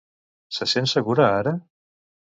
Se sent segur ara?